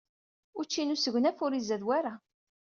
Učči n usegnaf ur izad wara.